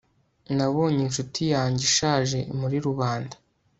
nabonye inshuti yanjye ishaje muri rubanda